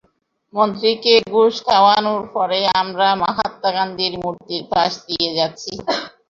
মন্ত্রীকে ঘুষ খাওয়ানোর পরে আমরা, মহাত্মা গান্ধীর মুর্তির পাশ দিয়ে যাচ্ছি।